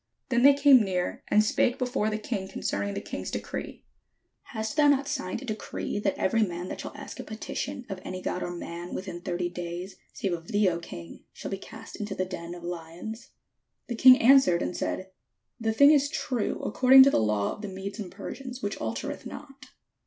Then they came near, and spake before the king concerning the king's decree: "Hast thou not signed a decree, that every man that shall ask a petition of any God or man within thirty days, save of thee, O king, shall be cast into the den of lions? " 506 DANIEL THE FEARLESS The king answered and said: Thc thing is true, according to the law of the Mcdcs and Persians, which altereth not."